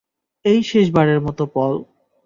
এই শেষ বারের মত, পল।